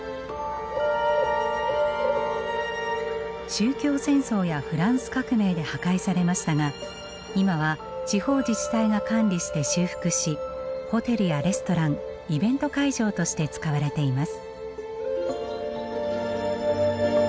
宗教戦争やフランス革命で破壊されましたが今は地方自治体が管理して修復しホテルやレストランイベント会場として使われています。